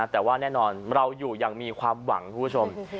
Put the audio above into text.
แต่ว่าแน่นอนเราอยู่อย่างมีความหวังคุณผู้ชม